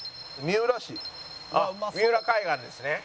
三浦海岸ですね。